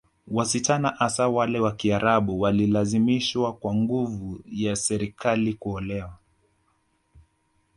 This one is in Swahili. Wasichana hasa wale wa Kiarabu walilazimishwa kwa nguvu ya Serikali kuolewa